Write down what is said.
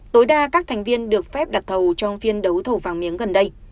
tối đa các thành viên được phép đặt thầu trong phiên đấu thầu vàng miếng gần đây